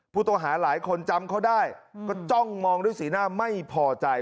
ผู้ต้องหาหลายคนจำเขาได้ก็จ้องมองด้วยสีหน้าไม่พอใจ